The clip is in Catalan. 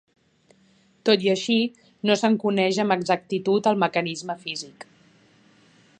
Tot i així, no se'n coneix amb exactitud el mecanisme físic.